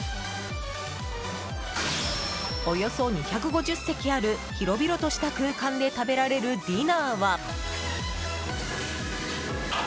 およそ２５０席ある広々とした空間で食べられるディナーは。